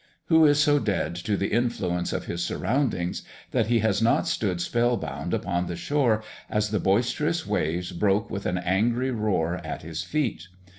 Who is so dead to the influences of his surroundings that he has not stood spell bound upon the shore as the boisterous waves broke with an angry roar at his feet?